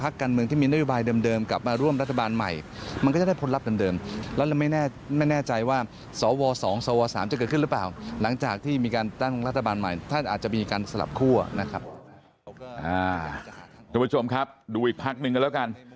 คุณผู้ชมครับดูอีกพักหนึ่งกันแล้วกัน